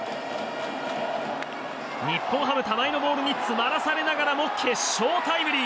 日本ハム、玉井のボールに詰まらされながらも決勝タイムリー。